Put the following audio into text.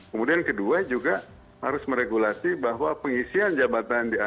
kemudian kedua juga harus meregulasi bahwa pengisian jabatan